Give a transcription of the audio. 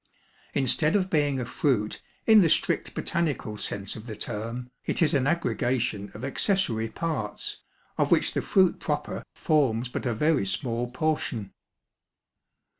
Instead of being a fruit in the strict botanical sense of the term, it is an aggregation of accessory parts, of which the fruit proper forms but a very small portion.